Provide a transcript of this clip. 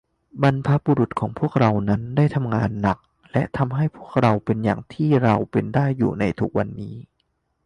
บรรพบุรุษของพวกเรานั้น ได้ทำงานหนัก และ ทำให้พวกเราเป็นอย่างที่เราเป็นอยู่ได้ในทุกวันนี้